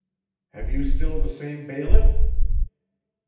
"Have you still the same bailiff?"